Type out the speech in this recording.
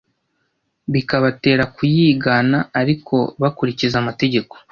bikabatera kuyigana ariko bakurikiza amategeko